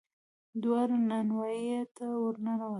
دواړه نانوايي ته ور ننوتل.